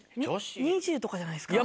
２０とかじゃないですか？